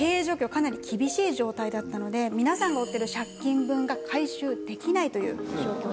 かなり厳しい状態だったので皆さんが負ってる借金分が回収できないという状況です。